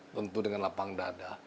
tentu dengan lapang dada